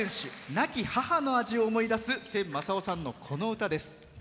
亡き母の味を思い出す千昌夫さんのこの歌です。